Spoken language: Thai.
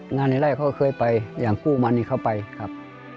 ในไล่เขาเคยไปอย่างคู่มันนี่เขาไปครับ